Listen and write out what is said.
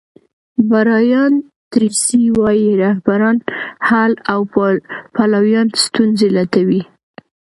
برایان تریسي وایي رهبران حل او پلویان ستونزې لټوي.